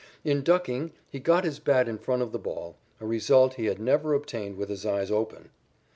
In ducking, he got his bat in front of the ball, a result he had never obtained with his eyes open.